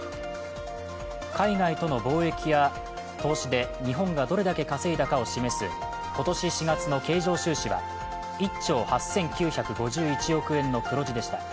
海外との貿易や投資で日本がどれだけ稼いだか示す今年４月の経常収支は１兆８９５１億円の黒字でした。